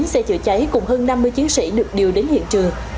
chín xe chữa trái cùng hơn năm mươi chiến sĩ được điều đến hiện trình